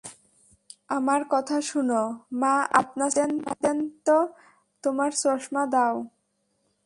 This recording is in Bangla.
আমার কথা শুনো, মা, আপনার চশমা দেন তো তোমার চশমা দাও।